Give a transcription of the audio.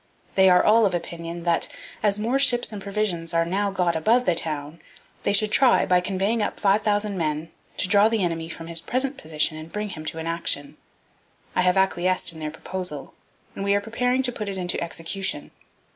They are all of opinion, that, as more ships and provisions are now got above the town, they should try, by conveying up five thousand men, to draw the enemy from his present position and bring him to an action. I have acquiesced in their proposal, and we are preparing to put it into execution.